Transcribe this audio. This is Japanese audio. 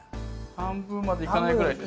半分までいかないぐらいで。